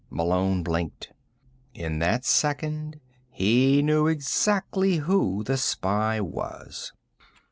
Malone blinked. In that second, he knew exactly who the spy was.